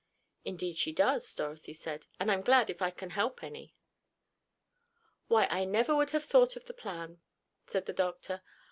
"Indeed she does," Dorothy said, "and I'm glad if I can help any." "Why I never would have thought of the plan," said the doctor.